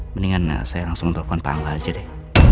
mendingan saya langsung telepon pang lah aja deh